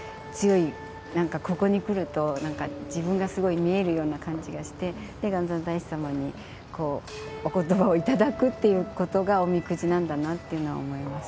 ここに来ると自分がすごい見えるような感じがして元三大師様にお言葉をいただくっていうことがおみくじなんだなって思います。